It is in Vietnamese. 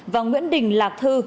và nguyễn đình lạc thư